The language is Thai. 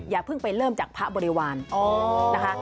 อย่าเพิ่งไปเริ่มจากพระบริวารนะคะ